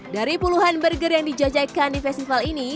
dari puluhan burger yang dijajakan di festival ini